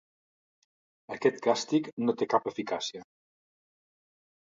Aquest càstig no té cap eficàcia.